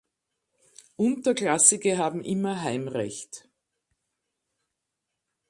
Unterklassige haben immer Heimrecht.